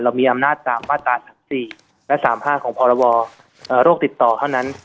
เรามีอำนาจ๓มาตร๔และ๓๕ของพรวรโรคติดต่อเท่านั้น